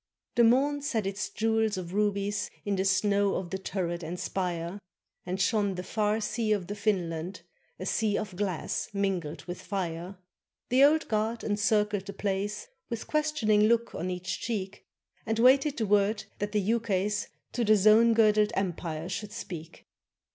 The morn set its jewels of rubies In the snows of the turret and spire, And shone the far sea of the Finland A sea of glass mingled with fire. The Old Guard encircled the place With questioning look on each cheek, And waited the word that the ukase To the zone girdled empire should speak.